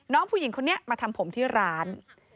น้องผู้หญิงคนนี้มาทำผมที่ร้าน